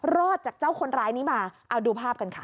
รอดจากเจ้าคนร้ายนี้มาเอาดูภาพกันค่ะ